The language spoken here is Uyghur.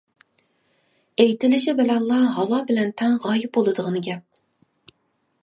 ئېيتىلىشى بىلەنلا ھاۋا بىلەن تەڭ غايىب بولىدىغىنى-گەپ.